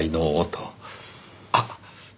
あっ！